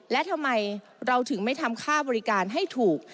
และทำไมเราถึงไม่ทำค่าบริการให้ถูก